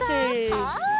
はい。